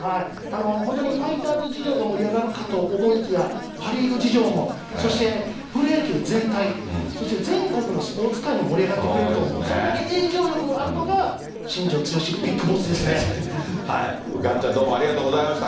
本当にファイターズ事情が盛り上がるかと思いきや、パ・リーグ事情も、そしてプロ野球全体、そして全国のスポーツ界も盛り上がってくれると思う、それだけ影響力あるのが、ガンちゃん、どうもありがとうございました。